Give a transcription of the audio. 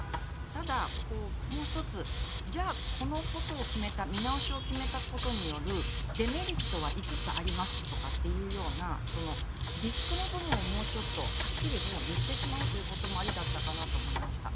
ただ、もう１つじゃあこのことを決めた見直しを決めたことによるデメリットは５つありますというようなリスクの部分をもうちょっとはっきり言ってしまうということもありだったかなと思いました。